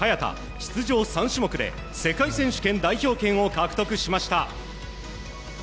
出場３種目で世界選手権代表権を獲得しました。